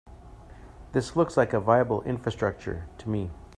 This looks like a viable infrastructure to me.